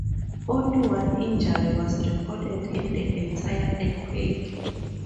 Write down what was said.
Only one injury was recorded in the entire earthquake.